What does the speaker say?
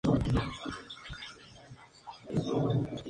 Están formadas por granito y gneis.